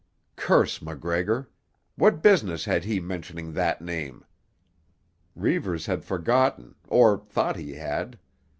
Curse MacGregor! What business had he mentioning that name? Reivers had forgotten, or thought he had.